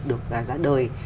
được giá đời